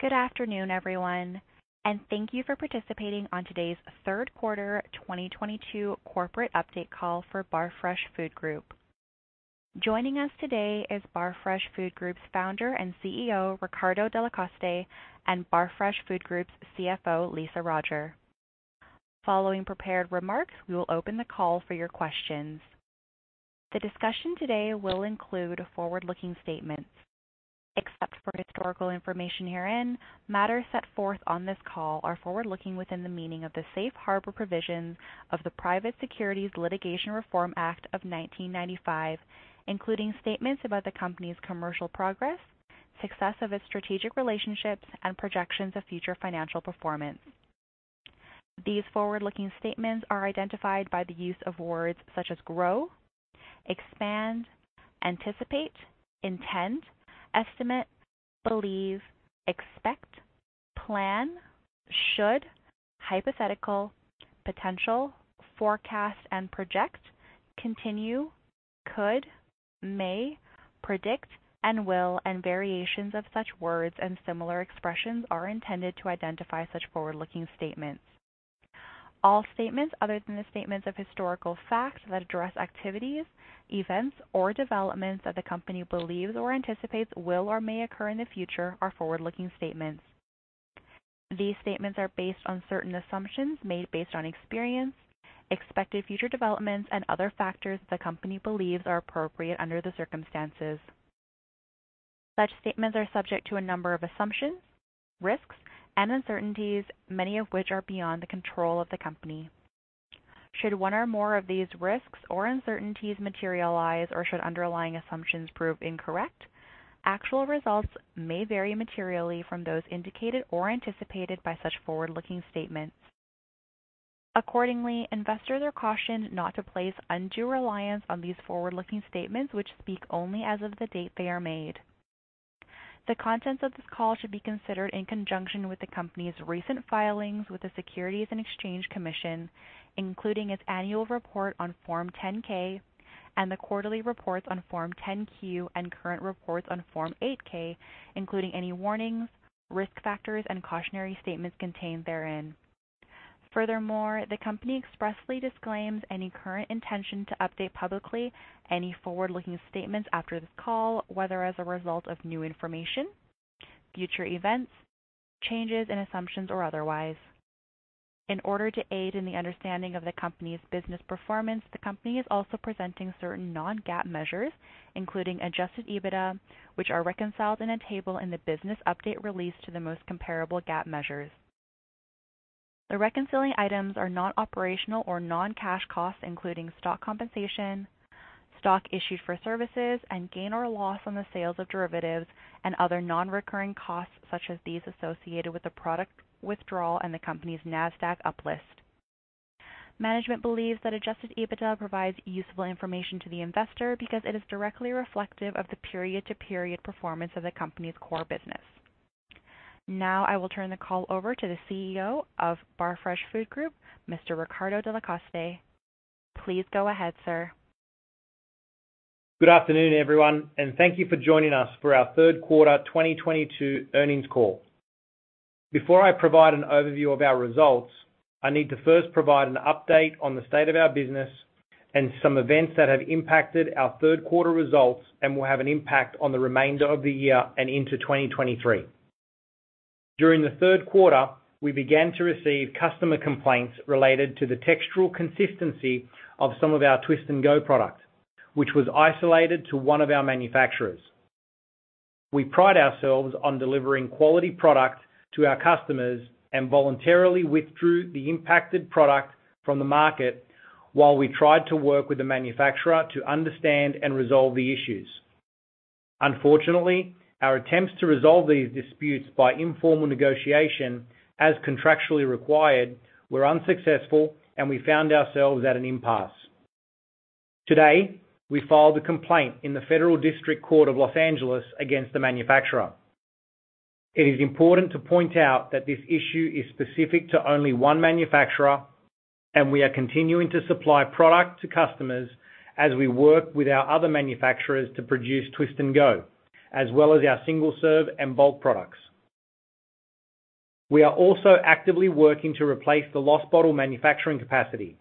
Good afternoon, everyone, and thank you for participating on today's third quarter 2022 corporate update call for Barfresh Food Group. Joining us today is Barfresh Food Group's founder and CEO, Riccardo Delle Coste, and Barfresh Food Group's CFO, Lisa Roger. Following prepared remarks, we will open the call for your questions. The discussion today will include forward-looking statements. Except for historical information herein, matters set forth on this call are forward-looking within the meaning of the Safe Harbor provisions of the Private Securities Litigation Reform Act of 1995, including statements about the company's commercial progress, success of its strategic relationships, and projections of future financial performance. These forward-looking statements are identified by the use of words such as grow, expand, anticipate, intend, estimate, believe, expect, plan, should, hypothetical, potential, forecast, and project, continue, could, may, predict, and will, and variations of such words and similar expressions are intended to identify such forward-looking statements. All statements other than the statements of historical facts that address activities, events, or developments that the company believes or anticipates will or may occur in the future are forward-looking statements. These statements are based on certain assumptions made based on experience, expected future developments, and other factors the company believes are appropriate under the circumstances. Such statements are subject to a number of assumptions, risks, and uncertainties, many of which are beyond the control of the company. Should one or more of these risks or uncertainties materialize or should underlying assumptions prove incorrect, actual results may vary materially from those indicated or anticipated by such forward-looking statements. Accordingly, investors are cautioned not to place undue reliance on these forward-looking statements which speak only as of the date they are made. The contents of this call should be considered in conjunction with the company's recent filings with the Securities and Exchange Commission, including its annual report on Form 10-K and the quarterly reports on Form 10-Q and current reports on Form 8-K, including any warnings, risk factors, and cautionary statements contained therein. Furthermore, the company expressly disclaims any current intention to update publicly any forward-looking statements after this call, whether as a result of new information, future events, changes in assumptions, or otherwise. In order to aid in the understanding of the company's business performance, the company is also presenting certain non-GAAP measures, including adjusted EBITDA, which are reconciled in a table in the business update released to the most comparable GAAP measures. The reconciling items are non-operational or non-cash costs, including stock compensation, stock issued for services, and gain or loss on the sales of derivatives and other non-recurring costs, such as these associated with the product withdrawal and the company's NASDAQ uplist. Management believes that adjusted EBITDA provides useful information to the investor because it is directly reflective of the period-to-period performance of the company's core business. Now I will turn the call over to the CEO of Barfresh Food Group, Mr. Riccardo Delle Coste. Please go ahead, sir. Good afternoon, everyone, and thank you for joining us for our third quarter 2022 earnings call. Before I provide an overview of our results, I need to first provide an update on the state of our business and some events that have impacted our third quarter results and will have an impact on the remainder of the year and into 2023. During the third quarter, we began to receive customer complaints related to the textural consistency of some of our Twist & Go products, which was isolated to one of our manufacturers. We pride ourselves on delivering quality product to our customers and voluntarily withdrew the impacted product from the market while we tried to work with the manufacturer to understand and resolve the issues. Unfortunately, our attempts to resolve these disputes by informal negotiation, as contractually required, were unsuccessful, and we found ourselves at an impasse. Today, we filed a complaint in the Federal District Court of Los Angeles against the manufacturer. It is important to point out that this issue is specific to only one manufacturer, and we are continuing to supply product to customers as we work with our other manufacturers to produce Twist & Go, as well as our single-serve and bulk products. We are also actively working to replace the lost bottle manufacturing capacity.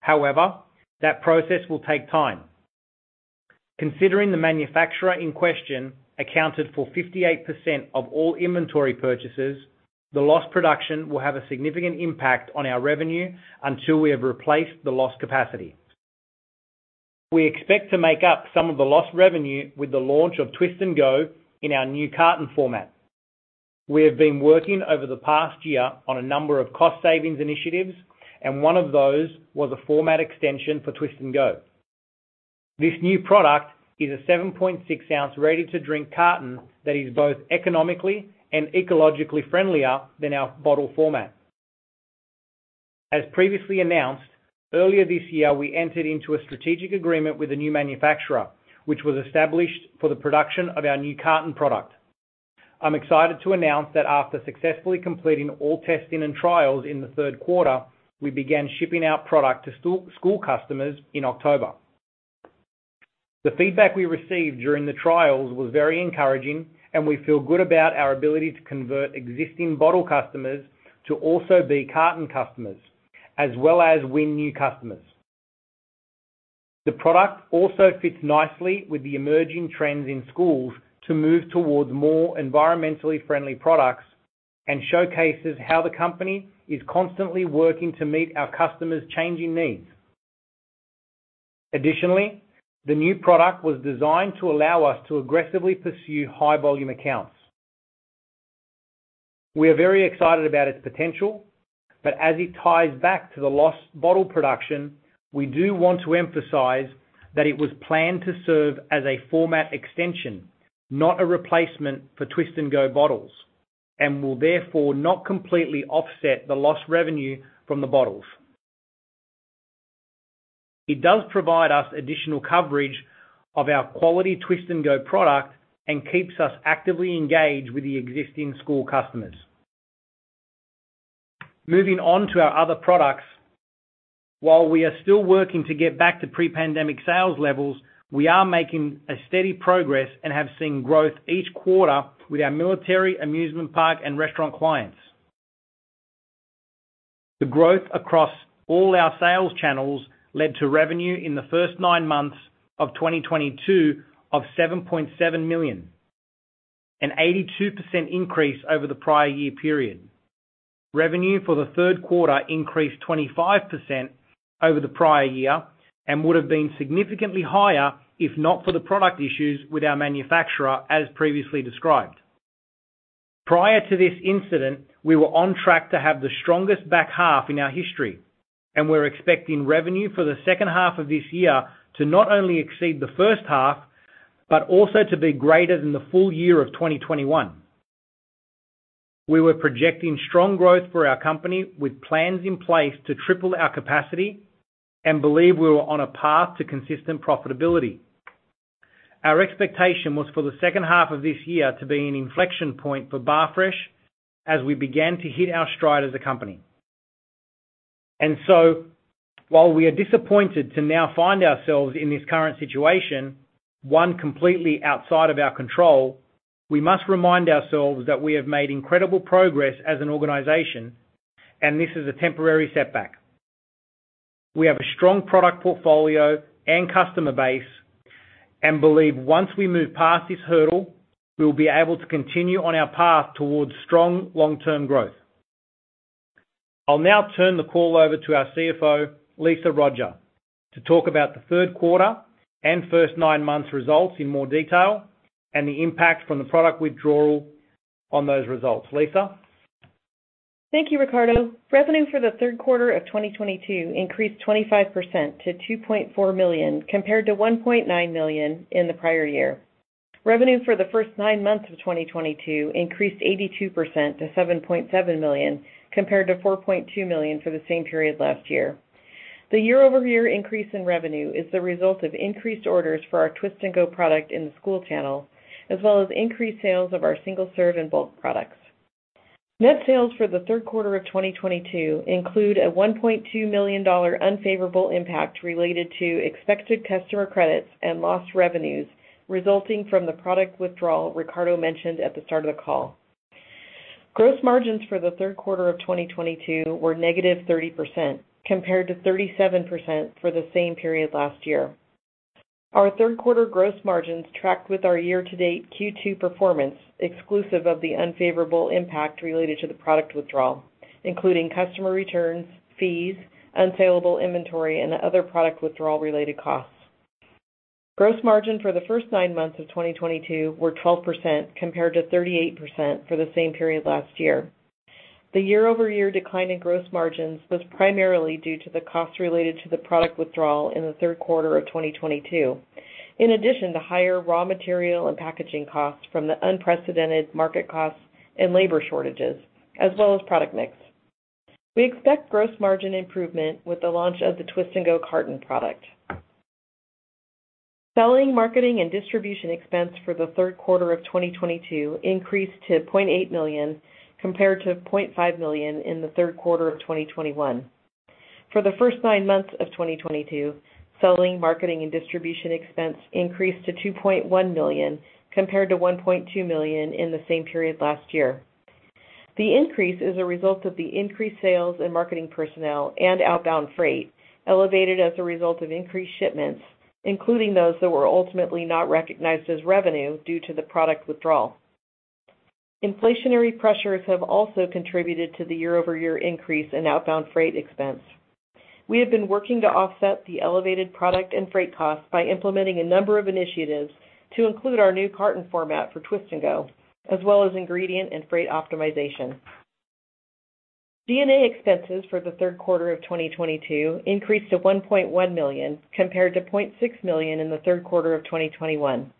However, that process will take time. Considering the manufacturer in question accounted for 58% of all inventory purchases, the lost production will have a significant impact on our revenue until we have replaced the lost capacity. We expect to make up some of the lost revenue with the launch of Twist & Go in our new carton format. We have been working over the past year on a number of cost savings initiatives, and one of those was a format extension for Twist & Go. This new product is a 7.6-ounce ready-to-drink carton that is both economically and ecologically friendlier than our bottle format. As previously announced, earlier this year, we entered into a strategic agreement with a new manufacturer, which was established for the production of our new carton product. I'm excited to announce that after successfully completing all testing and trials in the third quarter, we began shipping out product to school customers in October. The feedback we received during the trials was very encouraging, and we feel good about our ability to convert existing bottle customers to also be carton customers, as well as win new customers. The product also fits nicely with the emerging trends in schools to move towards more environmentally friendly products and showcases how the company is constantly working to meet our customers' changing needs. Additionally, the new product was designed to allow us to aggressively pursue high-volume accounts. We are very excited about its potential, but as it ties back to the lost bottle production, we do want to emphasize that it was planned to serve as a format extension, not a replacement for Twist & Go bottles, and will therefore not completely offset the lost revenue from the bottles. It does provide us additional coverage of our quality Twist & Go product and keeps us actively engaged with the existing school customers. Moving on to our other products. While we are still working to get back to pre-pandemic sales levels, we are making a steady progress and have seen growth each quarter with our military, amusement park, and restaurant clients. The growth across all our sales channels led to revenue in the first nine months of 2022 of $7.7 million, an 82% increase over the prior year period. Revenue for the third quarter increased 25% over the prior year and would have been significantly higher if not for the product issues with our manufacturer, as previously described. Prior to this incident, we were on track to have the strongest back half in our history, and we're expecting revenue for the second half of this year to not only exceed the first half, but also to be greater than the full year of 2021. We were projecting strong growth for our company with plans in place to triple our capacity and believe we were on a path to consistent profitability. Our expectation was for the second half of this year to be an inflection point for Barfresh as we began to hit our stride as a company. While we are disappointed to now find ourselves in this current situation, one completely outside of our control, we must remind ourselves that we have made incredible progress as an organization, and this is a temporary setback. We have a strong product portfolio and customer base and believe once we move past this hurdle, we will be able to continue on our path towards strong long-term growth. I'll now turn the call over to our CFO, Lisa Roger, to talk about the third quarter and first nine months results in more detail and the impact from the product withdrawal on those results. Lisa? Thank you, Riccardo. Revenue for the third quarter of 2022 increased 25% to $2.4 million, compared to $1.9 million in the prior year. Revenues for the first nine months of 2022 increased 82% to $7.7 million, compared to $4.2 million for the same period last year. The year-over-year increase in revenue is the result of increased orders for our Twist & Go product in the school channel, as well as increased sales of our single-serve and bulk products. Net sales for the third quarter of 2022 include a $1.2 million unfavorable impact related to expected customer credits and lost revenues resulting from the product withdrawal Riccardo mentioned at the start of the call. Gross margins for the third quarter of 2022 were -30%, compared to 37% for the same period last year. Our third quarter gross margins tracked with our year-to-date Q2 performance, exclusive of the unfavorable impact related to the product withdrawal, including customer returns, fees, unsaleable inventory, and other product withdrawal related costs. Gross margin for the first nine months of 2022 were 12%, compared to 38% for the same period last year. The year-over-year decline in gross margins was primarily due to the costs related to the product withdrawal in the third quarter of 2022. In addition to higher raw material and packaging costs from the unprecedented market costs and labor shortages, as well as product mix. We expect gross margin improvement with the launch of the Twist & Go carton product. Selling, marketing, and distribution expense for the third quarter of 2022 increased to $0.8 million, compared to $0.5 million in the third quarter of 2021. For the first nine months of 2022, selling, marketing and distribution expense increased to $2.1 million, compared to $1.2 million in the same period last year. The increase is a result of the increased sales and marketing personnel and outbound freight, elevated as a result of increased shipments, including those that were ultimately not recognized as revenue due to the product withdrawal. Inflationary pressures have also contributed to the year-over-year increase in outbound freight expense. We have been working to offset the elevated product and freight costs by implementing a number of initiatives to include our new carton format for Twist & Go, as well as ingredient and freight optimization. G&A expenses for the third quarter of 2022 increased to $1.1 million, compared to $0.6 million in the third quarter of 2021.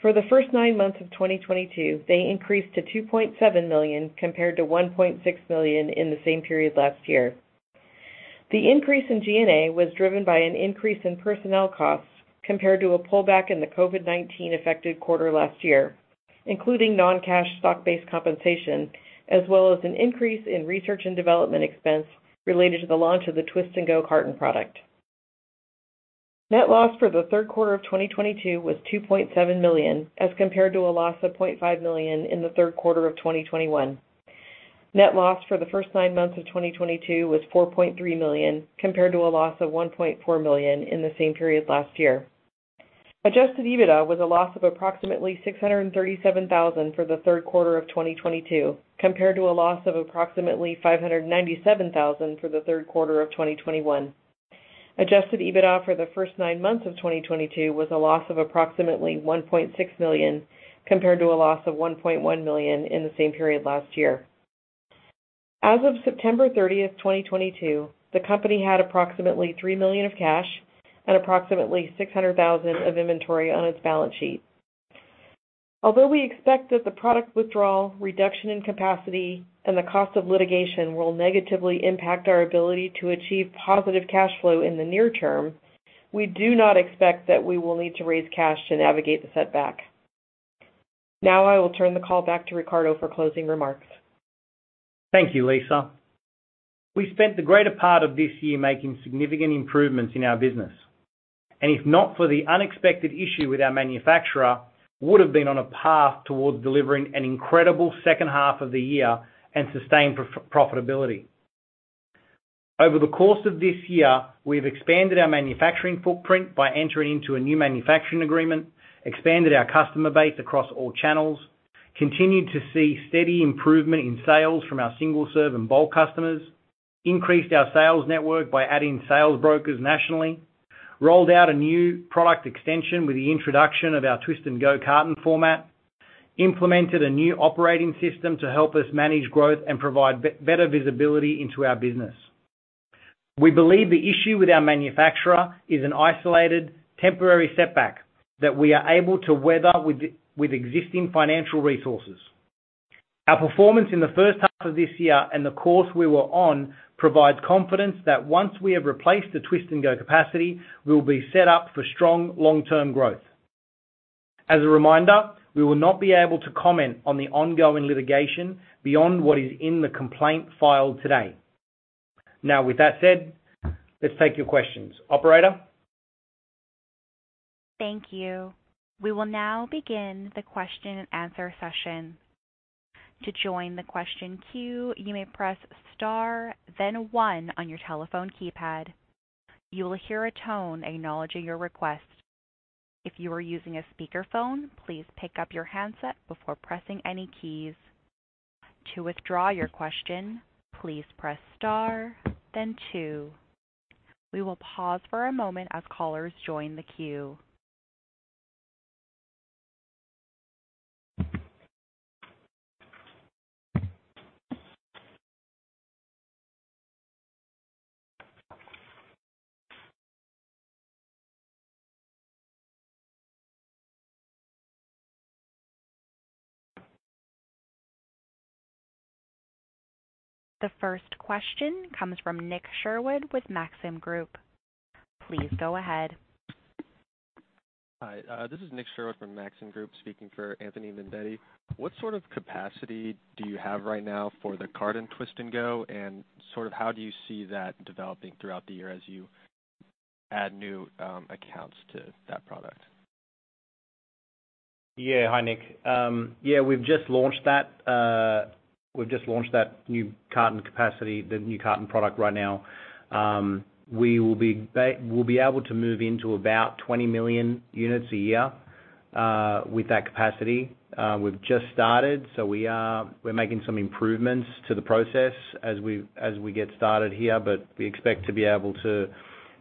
For the first nine months of 2022, they increased to $2.7 million, compared to $1.6 million in the same period last year. The increase in G&A was driven by an increase in personnel costs compared to a pullback in the COVID-19 affected quarter last year. Including non-cash stock-based compensation, as well as an increase in research and development expense related to the launch of the Twist & Go Carton product. Net loss for the third quarter of 2022 was $2.7 million, as compared to a loss of $0.5 million in the third quarter of 2021. Net loss for the first nine months of 2022 was $4.3 million, compared to a loss of $1.4 million in the same period last year. Adjusted EBITDA was a loss of approximately $637 thousand for the third quarter of 2022, compared to a loss of approximately $597 thousand for the third quarter of 2021. Adjusted EBITDA for the first nine months of 2022 was a loss of approximately $1.6 million, compared to a loss of $1.1 million in the same period last year. As of September thirtieth, 2022, the company had approximately $3 million of cash and approximately $600 thousand of inventory on its balance sheet. Although we expect that the product withdrawal, reduction in capacity, and the cost of litigation will negatively impact our ability to achieve positive cash flow in the near term, we do not expect that we will need to raise cash to navigate the setback. Now I will turn the call back to Riccardo for closing remarks. Thank you, Lisa. We spent the greater part of this year making significant improvements in our business, and if not for the unexpected issue with our manufacturer, would have been on a path towards delivering an incredible second half of the year and sustained profitability. Over the course of this year, we have expanded our manufacturing footprint by entering into a new manufacturing agreement, expanded our customer base across all channels, continued to see steady improvement in sales from our single-serve and bulk customers, increased our sales network by adding sales brokers nationally, rolled out a new product extension with the introduction of our Twist & Go Carton format, implemented a new operating system to help us manage growth and provide better visibility into our business. We believe the issue with our manufacturer is an isolated, temporary setback that we are able to weather with existing financial resources. Our performance in the first half of this year and the course we were on provides confidence that once we have replaced the Twist & Go capacity, we will be set up for strong long-term growth. As a reminder, we will not be able to comment on the ongoing litigation beyond what is in the complaint filed today. Now, with that said, let's take your questions. Operator? Thank you. We will now begin the question and answer session. To join the question queue, you may press star then one on your telephone keypad. You will hear a tone acknowledging your request. If you are using a speakerphone, please pick up your handset before pressing any keys. To withdraw your question, please press star then two. We will pause for a moment as callers join the queue. The first question comes from Nicholas Sherwood with Maxim Group. Please go ahead. Hi, this is Nick Sherwood from Maxim Group, speaking for Anthony Vendetti. What sort of capacity do you have right now for the Twist & Go Carton, and sort of how do you see that developing throughout the year as you add new accounts to that product? Yeah. Hi, Nick. Yeah, we've just launched that new carton capacity, the new carton product right now. We will be able to move into about 20 million units a year with that capacity. We've just started, so we're making some improvements to the process as we get started here. We expect to be able to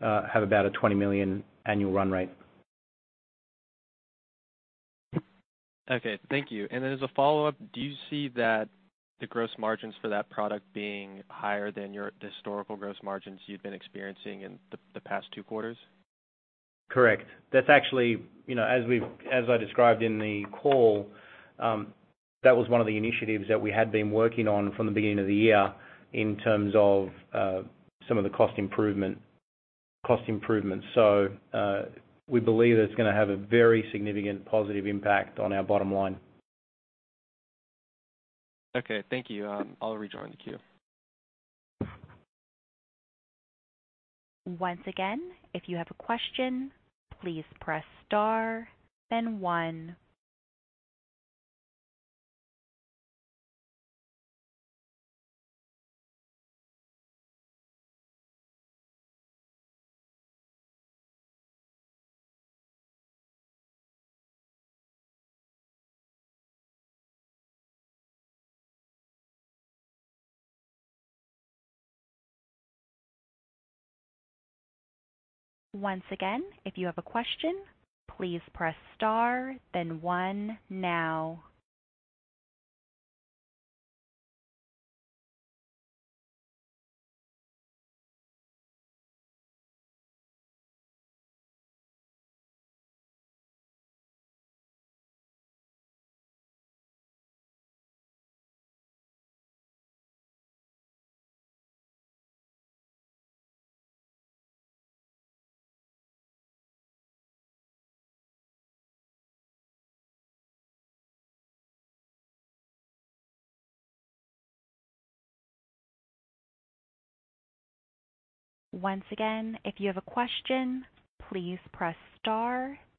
have about a 20 million annual run rate. Okay. Thank you. As a follow-up, do you see that the gross margins for that product being higher than your historical gross margins you've been experiencing in the past two quarters? Correct. That's actually, you know, as we've, as I described in the call, that was one of the initiatives that we had been working on from the beginning of the year in terms of some of the cost improvements. We believe that it's gonna have a very significant positive impact on our bottom line. Okay. Thank you. I'll rejoin the queue. Once again, if you have a question, please press star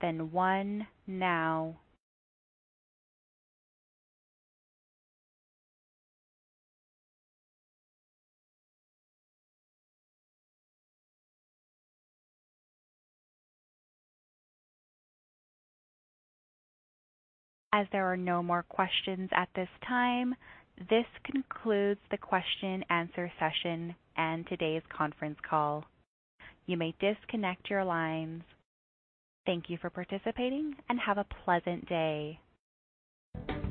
then one now. As there are no more questions at this time, this concludes the question answer session and today's conference call. You may disconnect your lines. Thank you for participating, and have a pleasant day.